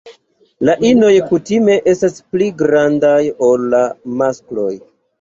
La inoj kutime estas pli grandaj ol la maskloj.